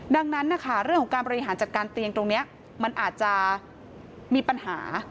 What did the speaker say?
ดังนั้นนะคะเรื่องของการบริหารจัดการเตียงตรงนี้มันอาจจะมีปัญหา